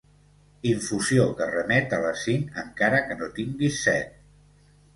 Infusió que remet a les cinc encara que no tinguis set.